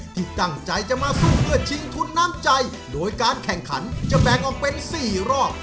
ที่ตั้งใจจะมาสู้เพื่อชิงทุนน้ำใจโดยการแข่งขันจะแบ่งออกเป็น๔รอบ